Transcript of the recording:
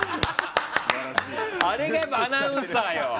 あれがアナウンサーよ。